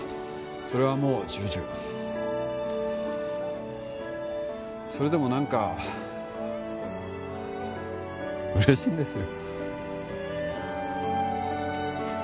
それはもう重々それでも何か嬉しいんですよ